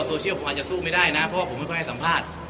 โซเชียลพออาจจะสู้ไม่ได้นะเพราะว่าผมไม่ค่อยให้สัมภาษณ์